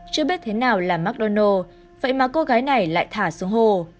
chưa biết thế nào là mcdonald vậy mà cô gái này lại thả xuống hồ